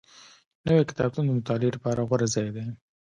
نوی کتابتون د مطالعې لپاره غوره ځای دی